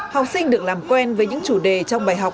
học sinh được làm quen với những chủ đề trong bài học